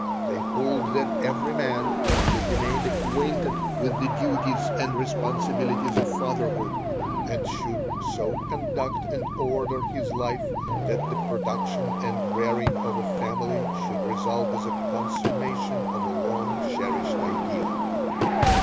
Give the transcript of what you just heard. They hold that every man should be made acquainted with the duties and responsibilities of fatherhood, and should so conduct and order his life that the production and rearing of a family should result as a consummation of a long cherished ideal.